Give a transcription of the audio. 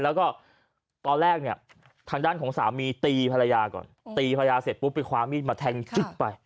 แล้วก็ตอนแรกเนี่ยทางด้านของสามีตีภรรยาก่อนตีภรรยาเสร็จปุ๊บไปคว้ามีดมาแทงจึ๊กไป